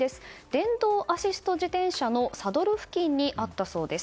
電動アシスト自転車のサドル付近にあったそうです。